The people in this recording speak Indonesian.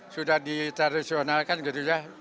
sudah ditradisionalkan gitu ya